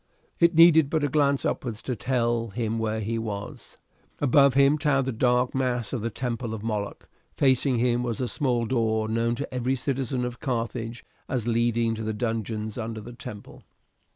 It needed but a glance upwards to tell him where he was. Above him towered the dark mass of the temple of Moloch, facing him was a small door known to every citizen of Carthage as leading to the dungeons under the temple.